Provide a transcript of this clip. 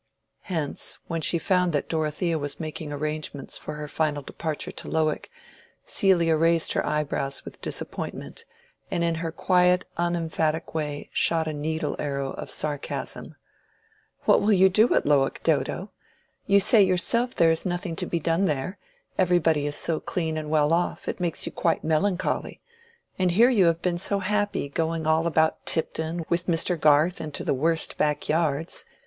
Hence, when she found that Dorothea was making arrangements for her final departure to Lowick, Celia raised her eyebrows with disappointment, and in her quiet unemphatic way shot a needle arrow of sarcasm. "What will you do at Lowick, Dodo? You say yourself there is nothing to be done there: everybody is so clean and well off, it makes you quite melancholy. And here you have been so happy going all about Tipton with Mr. Garth into the worst backyards.